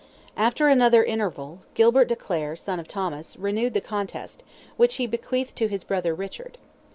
After another interval, Gilbert de Clare, son of Thomas, renewed the contest, which he bequeathed to his brother Richard.